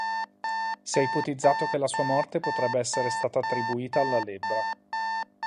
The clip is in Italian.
Si è ipotizzato che la sua morte potrebbe essere stata attribuita alla lebbra.